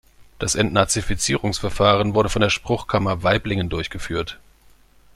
Das Entnazifizierungsverfahren wurde von der Spruchkammer Waiblingen durchgeführt.